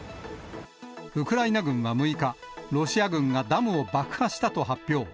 ウクライナ軍は６日、ロシア軍がダムを爆破したと発表。